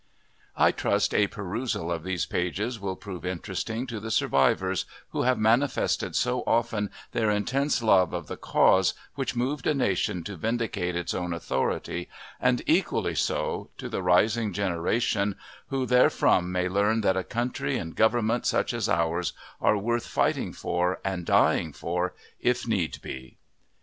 I trust a perusal of these pages will prove interesting to the survivors, who have manifested so often their intense love of the "cause" which moved a nation to vindicate its own authority; and, equally so, to the rising generation, who therefrom may learn that a country and government such as ours are worth fighting for, and dying for, if need be.